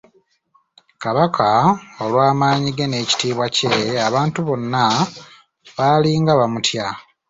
Kabaka olw’amaanyi ge n’ekitiibwa kye, abantu bonna baalinga bamutya.